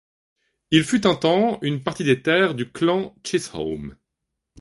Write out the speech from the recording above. Il fut un temps une partie des terres du clan Chisholm.